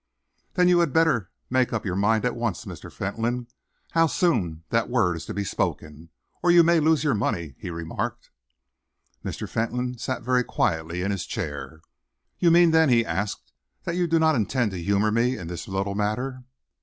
"Then you had better make up your mind at once, Mr. Fentolin, how soon that word is to be spoken, or you may lose your money," he remarked. Mr. Fentolin sat very quietly in his chair. "You mean, then," he asked, "that you do not intend to humour me in this little matter?"